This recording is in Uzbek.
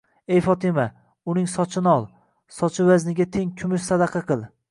Ey Fotima, uning sochini ol, sochi vazniga teng kumush sadaqa qil.